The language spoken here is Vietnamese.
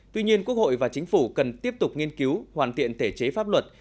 tuy nhiên quốc hội và chính phủ cần tiếp tục nghiên cứu hoàn thiện thể chế pháp luật